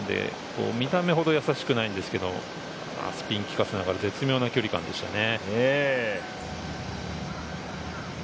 見た目ほどやさしくないんですけど、スピンを利かせながら絶妙な距離感でしたね。